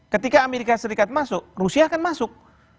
ketika amerika serikat masuk rusia akan masuk